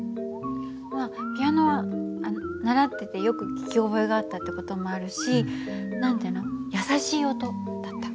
ピアノは習っててよく聞き覚えがあったって事もあるし何て言うの優しい音だった。